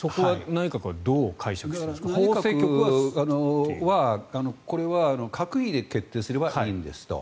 内閣は、これは閣議で決定すればいいんですと。